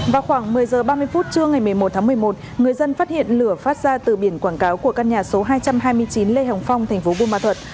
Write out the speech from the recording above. vào khoảng một mươi h ba mươi phút trưa ngày một mươi một tháng một mươi một người dân phát hiện lửa phát ra từ biển quảng cáo của căn nhà số hai trăm hai mươi chín lê hồng phong thành phố bù ma thuật